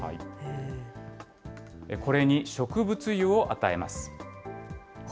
これに植物油を与えます。